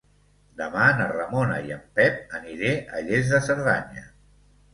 Demà na Ramona i en Pep aniré a Lles de Cerdanya.